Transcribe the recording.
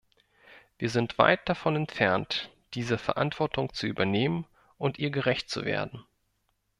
Wir sind weit davon entfernt, diese Verantwortung zu übernehmen und ihr gerecht zu werden.